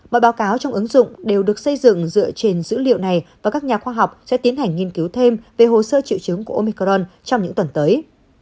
mọi báo cáo trong ứng dụng đều được xây dựng dựa trên dữ liệu này và các nhà khoa học sẽ tiến hành nghiên cứu thêm về hồ sơ triệu chứng của omicron trong những tuần tới